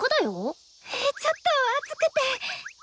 ちょっと暑くて！